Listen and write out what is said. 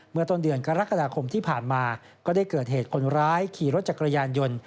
ต้นเดือนกรกฎาคมที่ผ่านมาก็ได้เกิดเหตุคนร้ายขี่รถจักรยานยนต์